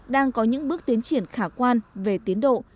đang có những bước tiến triển khả quan về tiến độ